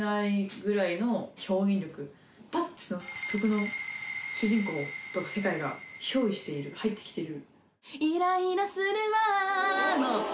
パッてその曲の主人公とか世界が憑依している入ってきてる。